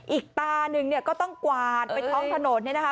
อีกตาหนึ่งเนี่ยก็ต้องกวาดไปท้องถนนเนี่ยนะคะ